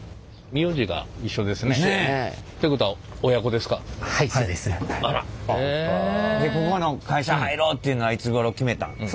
でここの会社入ろうっていうのはいつごろ決めたん？